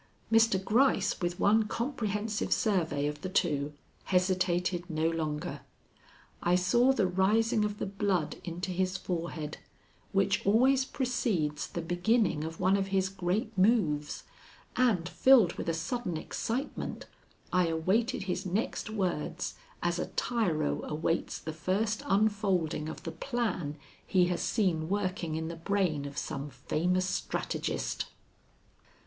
Mr. Gryce, with one comprehensive survey of the two, hesitated no longer. I saw the rising of the blood into his forehead, which always precedes the beginning of one of his great moves, and, filled with a sudden excitement, I awaited his next words as a tyro awaits the first unfolding of the plan he has seen working in the brain of some famous strategist.